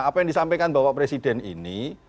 apa yang disampaikan bapak presiden ini